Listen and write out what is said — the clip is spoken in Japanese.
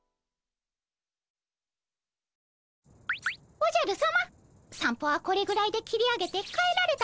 おじゃるさま散歩はこれぐらいで切り上げて帰られた